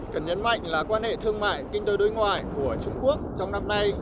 cần nhấn mạnh là quan hệ thương mại kinh tế đối ngoại của trung quốc trong năm nay